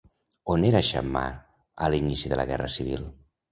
On era Xammar a l'inici de la guerra civil?